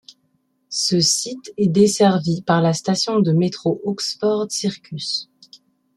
Ce site est desservi par la station de métro Oxford Circus.